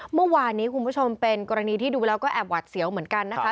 เมื่อวานนี้คุณผู้ชมเป็นกรณีที่ดูแล้วก็แอบหวัดเสียวเหมือนกันนะคะ